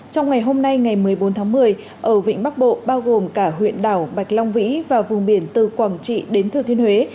trong ngày hôm nay ngày một mươi bốn tháng một mươi ở vịnh bắc bộ bao gồm cả huyện đảo bạch long vĩ và vùng biển từ quảng trị đến thừa thiên huế